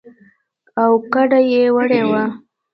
او کډه يې وړې وه.